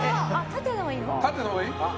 縦のほうがいい？